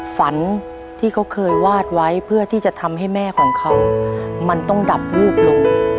ฝันที่เขาเคยวาดไว้เพื่อที่จะทำให้แม่ของเขามันต้องดับวูบลง